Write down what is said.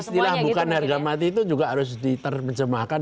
istilah bukan nergamati itu juga harus diterjemahkan